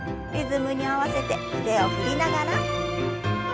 リズムに合わせて腕を振りながら。